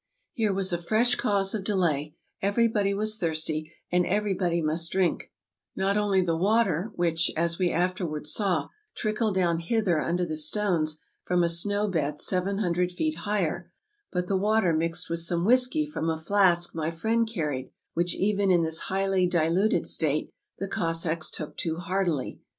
Here was a fresh cause of delay; everybody was thirsty, and every body must drink; not only the water which, as we after ward saw, trickled down hither under the stones from a snow bed seven hundred feet higher, but the water mixed with some whisky from a flask my friend carried, which even in this highly diluted state the Cossacks took to heartily.